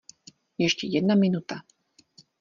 Ještě jedna minuta.